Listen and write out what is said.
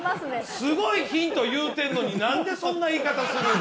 すごいヒント言うてんのに何でそんな言い方するの？